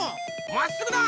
まっすぐだ！